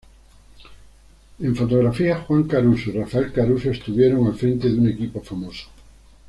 En fotografía Juan Caruso y Rafael Caruso estuvieron al frente de un equipo famoso.